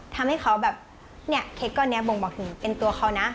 ทำให้เขาแบบเนี่ยเค้กก้อนนี้บ่งบอกถึงเป็นตัวเขานะ